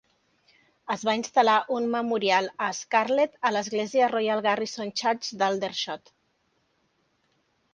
Es va instal·lar un memorial a Scarlett a l'església Royal Garrison Church d'Aldershot.